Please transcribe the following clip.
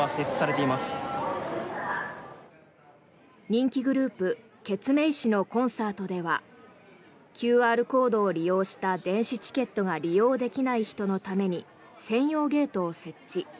人気グループ、ケツメイシのコンサートではＱＲコードを利用した電子チケットが利用できない人のために専用ゲートを設置。